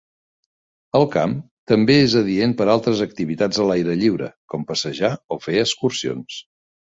El camp també és adient per altres activitats a l'aire lliure com passejar o fer excursions.